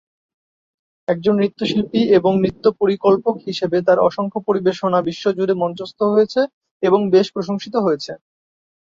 একজন নৃত্যশিল্পী এবং নৃত্য পরিকল্পক হিসাবে তাঁর অসংখ্য পরিবেশনা বিশ্বজুড়ে মঞ্চস্থ হয়েছে এবং বেশ প্রশংসিত হয়েছে।